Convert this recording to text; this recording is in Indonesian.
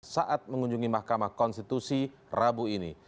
saat mengunjungi mahkamah konstitusi rabu ini